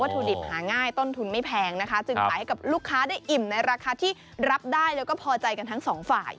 ถุดิบหาง่ายต้นทุนไม่แพงนะคะจึงขายให้กับลูกค้าได้อิ่มในราคาที่รับได้แล้วก็พอใจกันทั้งสองฝ่าย